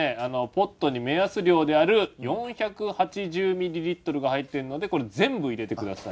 ポットに目安量である４８０ミリリットルが入っているのでこれ全部入れてください。